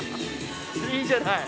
いいじゃない。